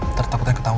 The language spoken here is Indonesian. ntar takutnya ketawa